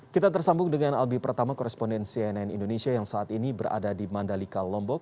kita tersambung dengan albi pratama koresponden cnn indonesia yang saat ini berada di mandalika lombok